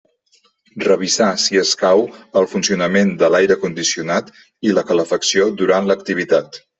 Revisar, si escau, el funcionament de l'aire condicionat i la calefacció durant l'activitat.